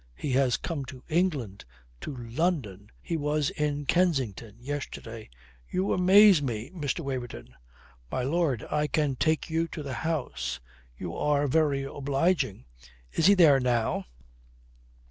He has come to England, to London. He was in Kensington yesterday." "You amaze me, Mr. Waverton." "My lord, I can take you to the house." "You are very obliging. Is he there now?"